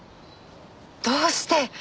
どうして？